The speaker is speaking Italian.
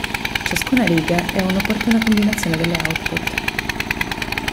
Ciascuna riga è una opportuna combinazione delle output.